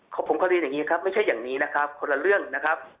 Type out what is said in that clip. ผมก็เรียนอย่างนี้ครับไม่ใช่อย่างนี้นะครับคนละเรื่องนะครับ